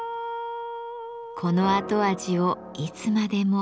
この後味をいつまでも。